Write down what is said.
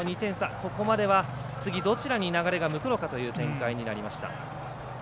ここまでは次、どちらに流れが向くのかという展開になりました。